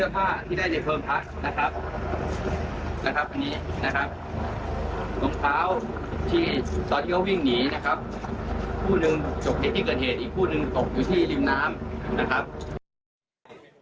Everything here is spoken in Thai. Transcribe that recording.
คู่ตอนที่เขาวิ่งหนีนะครับผู้หนึ่งตกจากที่เกิดเหตุอีกคู่หนึ่งตกอยู่ที่ริมน้ำนะครับ